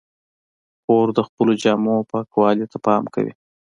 خور د خپلو جامو پاکوالي ته پام کوي.